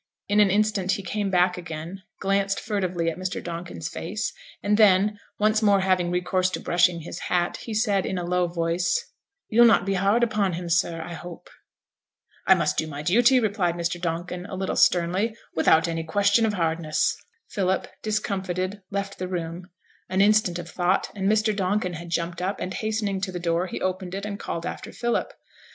In an instant he came back again, glanced furtively at Mr. Donkin's face, and then, once more having recourse to brushing his hat, he said, in a low voice 'You'll not be hard upon him, sir, I hope?' 'I must do my duty,' replied Mr. Donkin, a little sternly, 'without any question of hardness.' Philip, discomfited, left the room; an instant of thought and Mr Donkin had jumped up, and hastening to the door he opened it and called after Philip.